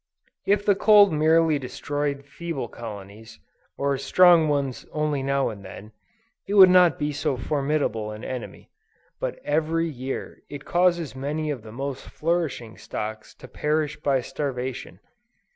If the cold merely destroyed feeble colonies, or strong ones only now and then, it would not be so formidable an enemy; but every year, it causes many of the most flourishing stocks to perish by starvation.